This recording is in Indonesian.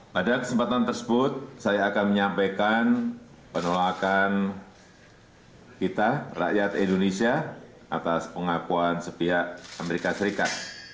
pada kesempatan tersebut saya akan menyampaikan penolakan kita rakyat indonesia atas pengakuan sepihak amerika serikat